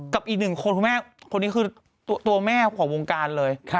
กับอีกหนึ่งคนนี้คือตัวแม่ของวงการเลย